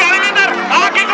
wah sobri dari ramin nusul